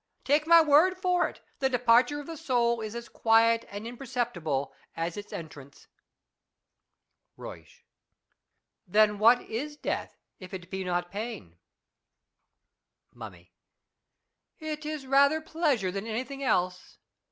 Take my word for it, the departure of the soul is as quiet and imperceptible as its entrance. Euysch. Then what is death, if it be not pain ? Mummy. It is rather pleasure than anything else.